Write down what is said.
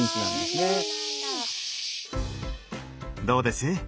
どうです？